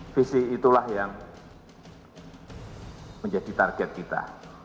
visi itulah yang menjadi target kita